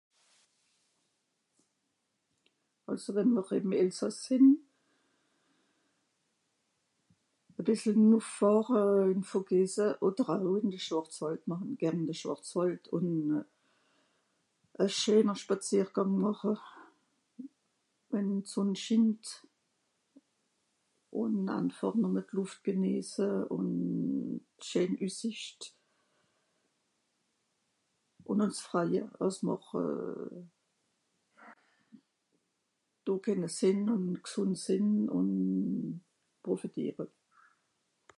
Àlso wenn mr ìm Elsàss sìnn, e bìssel nùff vor euh... ìn d'Vogese, odder au ìn die Schwàrzwàrd, màche mr gern ìn die Schwàrzwàld ùn euh... e scheener Spàziergàng màche, wenn d'Sùnn schint. Ùn anfàch nùmme d'Lùft genìese ùn d'Scheen Üssìcht. Ùn àls freie àss mr euh... do kenne sìnn ùn gsùnd sìnn ùn profitìere.